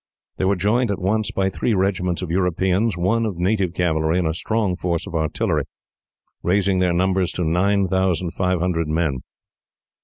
They were joined, at once, by three regiments of Europeans, one of native cavalry, and a strong force of artillery, raising their numbers to nine thousand, five hundred men.